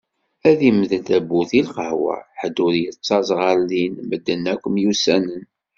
Ad d-imdel tawwurt i lqahwa, ḥed ur yettaẓ ɣer din, medden akk myussanen.